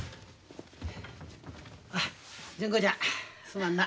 純子ちゃんすまんな。